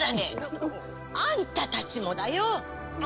えっ？あんたたちもだよ！